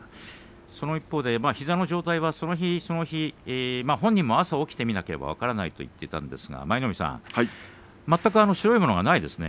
その一方で膝の状態はその日その日本人も朝起きてみなければ分からないという話でしたが舞の海さん全く白いものはないですね。